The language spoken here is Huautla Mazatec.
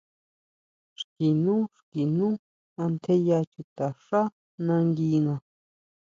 Xki nú, xki nú antjeya chutaxá nanguina.